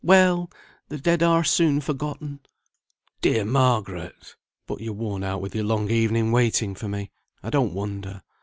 Well! the dead are soon forgotten!" "Dear Margaret! But you're worn out with your long evening waiting for me. I don't wonder.